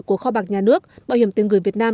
của kho bạc nhà nước bảo hiểm tiền gửi việt nam